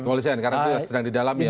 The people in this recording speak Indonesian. kepolisian karena itu sedang didalami ya